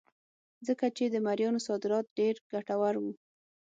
ځکه چې د مریانو صادرات ډېر ګټور وو.